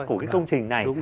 của cái công trình này